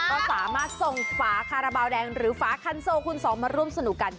ก็สามารถส่งฝาคาราบาลแดงหรือฝาคันโซคูณ๒มาร่วมสนุกกัน